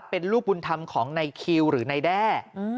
เป็นลูกบุญธรรมของในคิวหรือนายแด้